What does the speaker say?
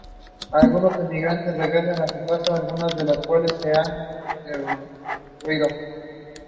It was also rare that christenings were held outside of churches.